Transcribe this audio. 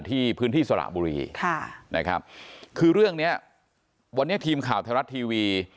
ที่พื้นที่สระบุรีค่ะนะครับคือเรื่องเนี้ยวันนี้ทีมข่าวไทยรัฐทีวี